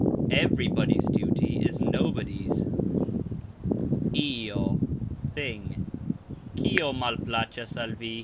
Everybody's" duty is "nobody's." "io", thing. "Kio" malplacxas al vi?